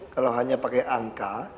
kalau hanya pakai angka